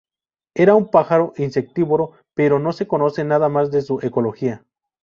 Era un pájaro insectívoro pero no se conoce nada más de su ecología.